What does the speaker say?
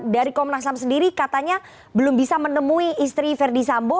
dari komnas ham sendiri katanya belum bisa menemui istri verdi sambo